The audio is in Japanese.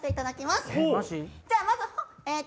じゃあまず。